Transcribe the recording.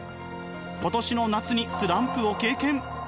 今年の夏にスランプを経験。